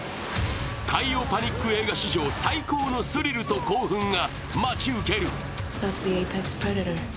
海洋パニック映画史上最高のスリルと興奮が待ち受ける。